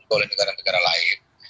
oleh negara negara lain